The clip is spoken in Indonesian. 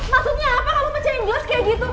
maksudnya apa kamu pecain joss kayak gitu